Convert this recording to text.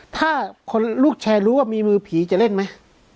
ถ้าคนลูกแชร์รู้ว่ามีมือผีจะเล่นไหม